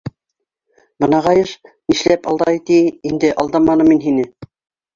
-Бынағайыш, ни эшләп алдай, ти, инде, алдаманым мин һине.